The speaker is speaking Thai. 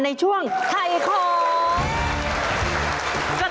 ในช่วงไทยของ